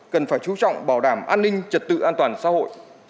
cần phải chú trọng bảo đảm an ninh trật tự an toàn xã hội